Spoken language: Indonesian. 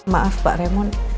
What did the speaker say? maaf pak raymond